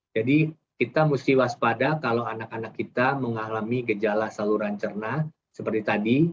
jadi kita harus waspada kalau anak anak kita mengalami gejala saluran cerna seperti tadi